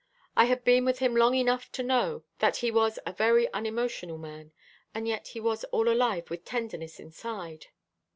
I had been with him long enough to know, that he was a very unemotional man, and yet he was all alive with tenderness inside.